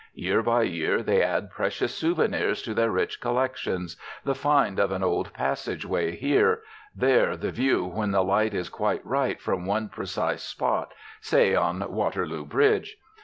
Year by year they add precious souvenirs to their rich collections, the find of an old passage way here, there the view when the light is quite right from one precise spot, say, on Waterloo Bridge.